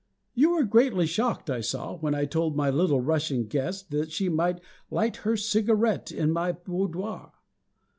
You were greatly shocked, I saw, when I told my little Russian guest that she might light her cigarette in my boudoir.